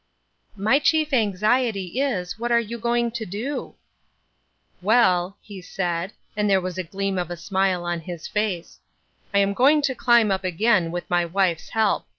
" My chief anxiety is. What are you going to do?" " Well," he said, and there was a gleam of a Bmile on his face, " I am going to climb up again with my wife's help.